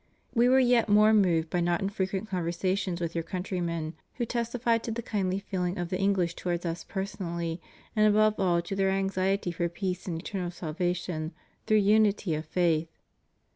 We were yet more moved by not infrequent conversations with your countrymen, who testified to the kindly feeling of the English towards Us personally, and above all to their anxiety for peace and eternal salvation through unity of faith.